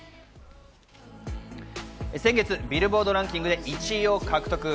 先月、ビルボードランキングで１位を獲得。